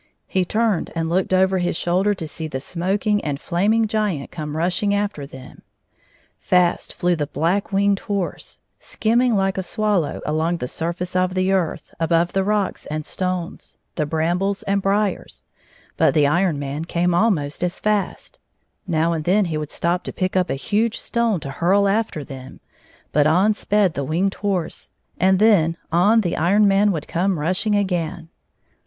He turned and looked over his shoulder to see the smoking and flaming giant coming rushing after them. Fast flew the Black Winged Horse, skimming 152 Fastjkw tJu black winged liorse. THE NEW YORK PUBLi: LIBRARY ASToii, i.::::{j': and tildi:n fo :;:)A7'ons R I like a swallow along the surface of the earth above the rocks and stones, the brambles and briers, but the Iron Man came almost as fast. Now and then he would stop to pick up a huge stone to hurl after them, but on sped the Winged Horse, and then on the Iron Man would come rushing again.